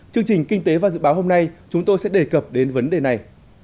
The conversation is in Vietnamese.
chương trình kinh tế và dự báo hôm nay chúng tôi sẽ đề cập đến vấn đề này